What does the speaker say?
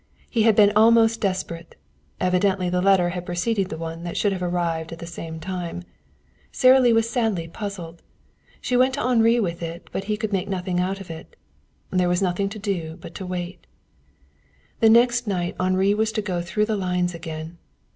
He had been almost desperate. Evidently the letter had preceded one that should have arrived at the same time. Sara Lee was sadly puzzled. She went to Henri with it, but he could make nothing out of it. There was nothing to do but to wait. The next night Henri was to go through the lines again.